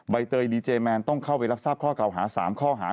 ใบเตยดีเจแมนต้องเข้าไปรับทราบข้อเก่าหา๓ข้อหา